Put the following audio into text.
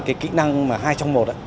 cái kỹ năng mà hai trong một